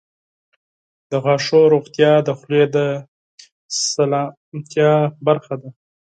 • د غاښونو روغتیا د خولې د سلامتیا برخه ده.